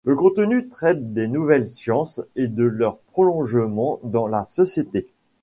Le contenu traite des nouvelles sciences, et de leurs prolongements dans la société.